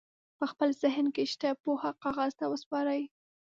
په خپل ذهن کې شته پوهه کاغذ ته وسپارئ.